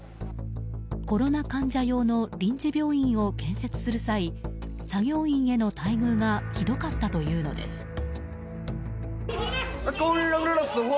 コロナ患者用の臨時病院を建設する際作業員への待遇がひどかったというのです。